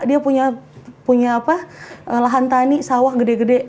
dia punya lahan tani sawah gede gede